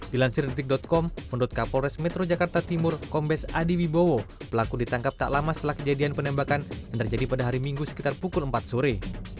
dilansir detik com menurut kapolres metro jakarta timur kombes adi wibowo pelaku ditangkap tak lama setelah kejadian penembakan yang terjadi pada hari minggu sekitar pukul empat sore